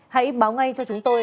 hãy báo ngay cho chúng tôi